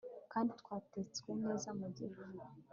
kandi twatetswe neza mu ifuru